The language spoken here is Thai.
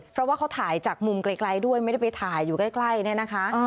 เพราะว่าเขาถ่ายจากมุมไกลด้วยไม่ได้ไปถ่ายอยู่ใกล้เนี่ยนะคะ